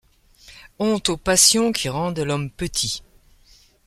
Honte aux passions qui rendent l’homme petit !